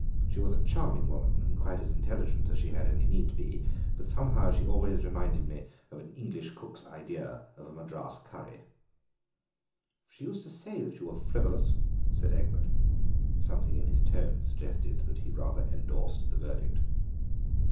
She was a charming woman, and quite as intelligent as she had any need to be, but somehow she always reminded me of an English cook's idea of a Madras curry." "She used to say you were frivolous," said Egbert. Something in his tone suggested that he rather endorsed the verdict.